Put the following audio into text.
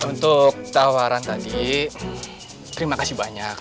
untuk tawaran tadi terima kasih banyak